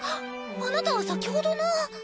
あなたは先ほどの。